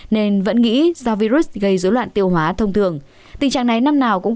nên vẫn nghĩ do virus gây dấu loạn tiêu hóa thông thường